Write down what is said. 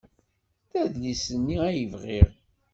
D adlis-nni ay bɣiɣ.